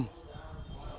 giữa bốn năm